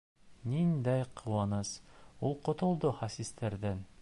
Ниндәй ҡыуаныс: ул котолдо хәсистәрҙән!